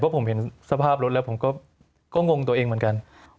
ผมเห็นสภาพรถแล้วผมก็งงตัวเองเหมือนกัน